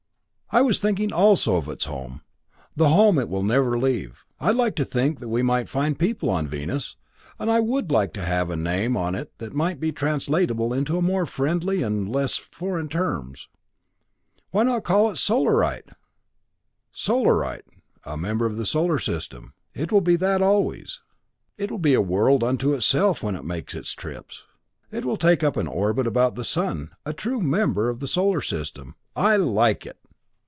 "I was thinking also of its home the home it will never leave. I like to think that we might find people on Venus, and I would like to have a name on it that might be translatable into more friendly and less foreign terms why not call it Solarite?" "Solarite a member of the solar system it will be that, always. It will be a world unto itself when it makes its trips it will take up an orbit about the sun a true member of the solar system. I like it!"